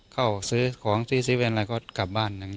เข้าซื้อของที่ซิเวนอะไรก็กลับบ้าน